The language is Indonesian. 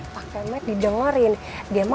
pak kemet didengarkan